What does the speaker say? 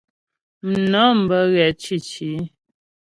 Mnɔm bə́ ghɛ̂ cǐci.